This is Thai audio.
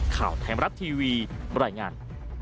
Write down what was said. ข่าวไทยมรัฐทีวีบรรยายงาน